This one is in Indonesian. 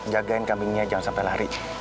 jagain kambingnya jangan sampai lari